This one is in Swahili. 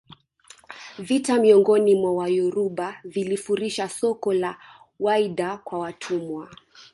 vita miongoni mwa Wayoruba vilifurisha soko la Whydah kwa watumwa